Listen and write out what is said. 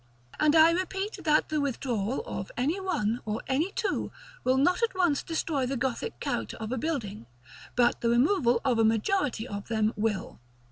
And I repeat, that the withdrawal of any one, or any two, will not at once destroy the Gothic character of a building, but the removal of a majority of them will.